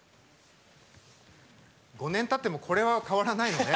５年たってもこれは変わらないのね。